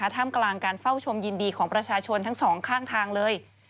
ท่ามกลางการเฝ้าชมยินดีของประชาชนทั้งสองข้างทางเลย